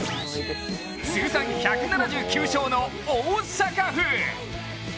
通算１７９勝の大阪府！